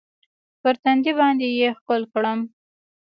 پر تندي باندې يې ښکل کړم.